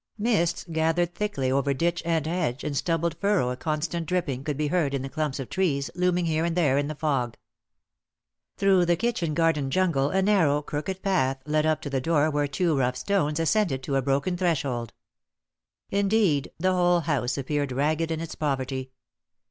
Mists gathered thickly over ditch and hedge and stubbled furrow a constant dripping could be heard in the clumps of trees looming here and there in the fog. Through the kitchen garden jungle a narrow, crooked path led up to the door where two rough stones ascended to a broken threshold. Indeed, the whole house appeared ragged in its poverty.